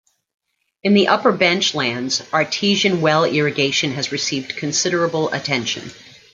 In the upper bench lands, artesian well irrigation has received considerable attention.